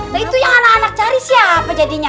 nah itu yang anak anak cari sih apa jadinya